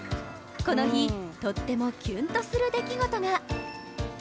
この日、とってもキュンとする出来事が。